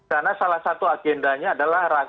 karena salah satu agendanya adalah